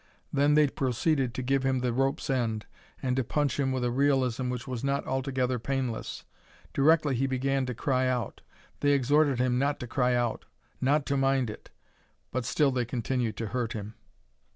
Then they proceeded to give him the rope's end and to punch him with a realism which was not altogether painless. Directly he began to cry out. They exhorted him not to cry out, not to mind it, but still they continued to hurt him.